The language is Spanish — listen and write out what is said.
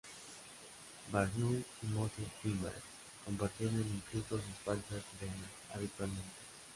Barnum y Moses Kimball compartieron incluso sus "falsas sirenas" habitualmente.